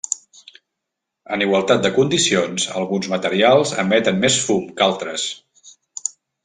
En igualtat de condicions alguns materials emeten més fum que altres.